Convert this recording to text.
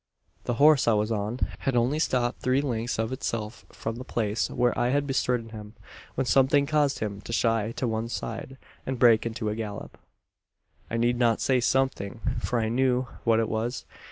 "The horse I was on, had only stopped three lengths of itself, from the place where I had bestridden him, when something caused him to shy to one side, and break into a gallop. "I need not say something; for I knew what it was.